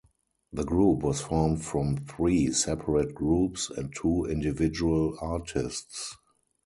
The group was formed from three separate groups and two individual artists.